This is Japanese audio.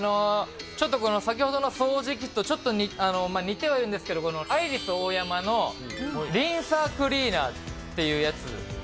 ちょっとこの先ほどの掃除機とちょっと似てはいるんですけど、このアイリスオーヤマのリンサークリーナーっていうやつ。